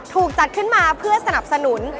ถูกจัดขึ้นมาเพื่อสนับสนุน